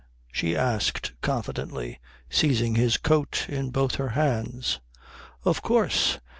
she asked confidently, seizing his coat in both her hands. "Of course.